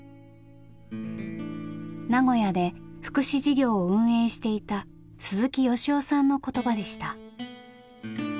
名古屋で福祉事業を運営していた鈴木由夫さんの言葉でした。